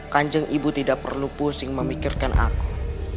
kanjeng ibu tidak perlu pusing memikirkan aku